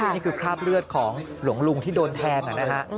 คราบเลือดของหลวงลุงที่โดนแทงนะฮะ